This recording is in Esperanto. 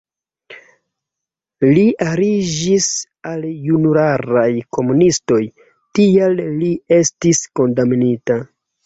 Li aliĝis al junularaj komunistoj, tial li estis kondamnita.